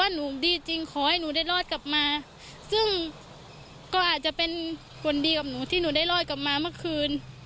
หรือว่าจะเป็นคนดีกับหนูที่หนูได้รอดกลับมาเมื่อคืน